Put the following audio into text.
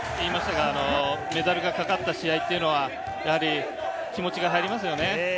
冒頭に言いましたが、メダルが懸かった試合というのは気持ちが入りますよね。